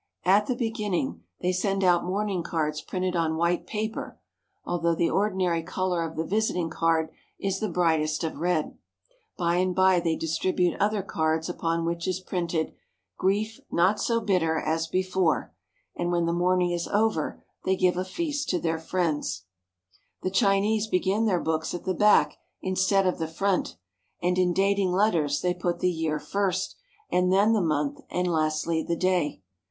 At the beginning they send out mourning cards printed on white paper, although the ordinary color of the visiting card is the brightest of red. By and by they distribute other cards upon which is printed, " Grief not so bitter as before ;" and when the mourning is over, they give a feast to their friends. The Chinese women are proud of their small feet —" The Chinese begin their books at the back instead of the front, and in dating letters they put the year first, and then the month, and lastly the day.